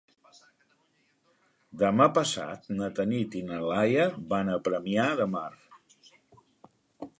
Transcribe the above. Demà passat na Tanit i na Laia van a Premià de Mar.